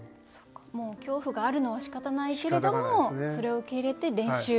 もう恐怖があるのはしかたないけれどもそれを受け入れて練習